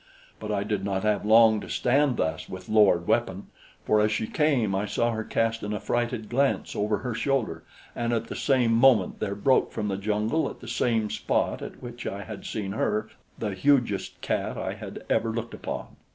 But I did not have long to stand thus with lowered weapon, for as she came, I saw her cast an affrighted glance over her shoulder, and at the same moment there broke from the jungle at the same spot at which I had seen her, the hugest cat I had ever looked upon.